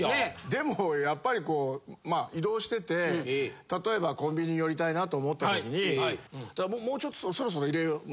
でもやっぱりこうまあ移動してて例えばコンビニ寄りたいなと思った時にもうちょっと。